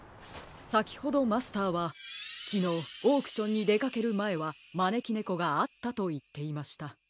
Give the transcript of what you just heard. さきほどマスターはきのうオークションにでかけるまえはまねきねこがあったといっていました。